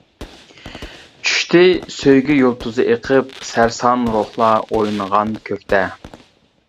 چۈشتى سۆيگۈ يۇلتۇزى ئېقىپ. سەرسان روھلار ئوينىغان كۆكتە.